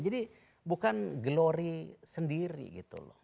jadi bukan glory sendiri gitu loh